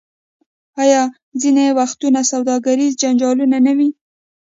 آیا ځینې وختونه سوداګریز جنجالونه نه وي؟